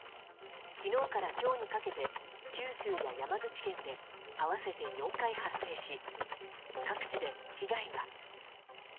昨日から今日にかけて九州や山口県で合わせて４回発生し各地で被害が。